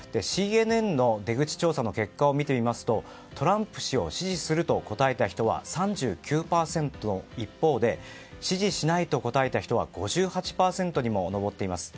ＣＮＮの出口調査の結果を見てみますとトランプ氏を支持すると答えた人は３９％の一方で支持しないと答えた人は５８％にも上っています。